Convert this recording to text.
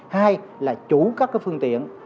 hai là chủ các cái phương tiện